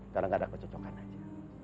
karena gak ada kecocokan aja